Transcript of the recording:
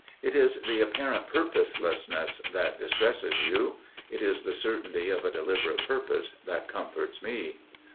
It is the apparent purposelessness that distresses you: it is the certainty of a deliberate purpose that comforts me.